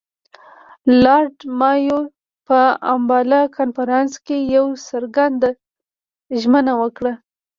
لارډ مایو په امباله کنفرانس کې یوه څرګنده ژمنه وکړه.